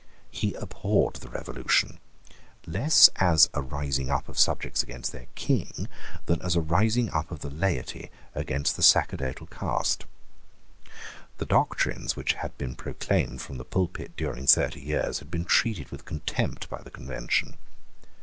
He abhorred the Revolution less as a rising up of subjects against their King than as a rising up of the laity against the sacerdotal caste. The doctrines which had been proclaimed from the pulpit during thirty years had been treated with contempt by the Convention.